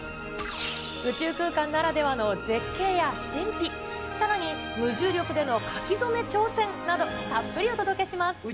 宇宙空間ならではの絶景や神秘、さらに無重力での書き初め挑戦など、たっぷりお届けします。